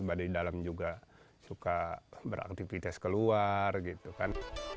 badai dalam juga suka beraktivitas keluar gitu kan